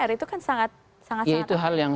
itu kan sangat itu hal yang